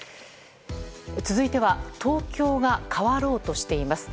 続いては東京が変わろうとしています。